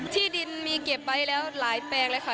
ที่ดินมีเก็บไว้แล้วหลายแปลงเลยค่ะ